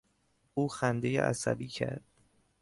او خندهی عصبی کرد.